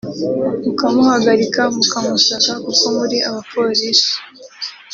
mukamuhagarika mukamusaka kuko muri Abapolisi